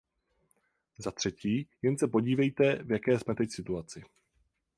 Za třetí, jen se podívejte, v jaké jsme teď situaci.